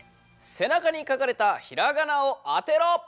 背中に書かれたひらがなを当てろ！